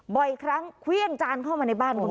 บ่อยครั้งเครื่องจานเข้ามาในบ้านของเขา